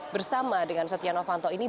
bersama dengan setia novanto ini